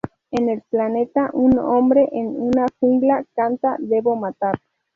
En el planeta, un hombre en una jungla canta "Debo matar".